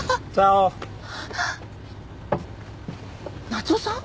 夏雄さん？